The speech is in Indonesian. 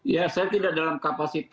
ya saya tidak dalam kapasitas